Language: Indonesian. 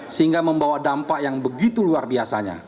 sehingga membawa dampak yang begitu luar biasanya